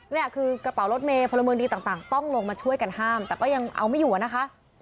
นี่คือกระเป๋ารถเมย์พลเมืองดีต่างต้องลงมาช่วยกันห้ามแต่ก็ยังเอาไม่อยู่อะนะคะ